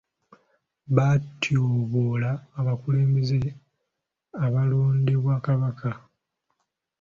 Batyoboola abakulembeze abalondebwa Kabaka.